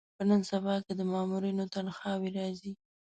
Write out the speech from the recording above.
په نن سبا کې د مامورینو تنخوا وې راځي.